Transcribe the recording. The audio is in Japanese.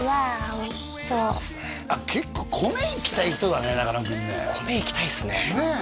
おいしそう結構米いきたい人だね仲野君ね米いきたいですねねえ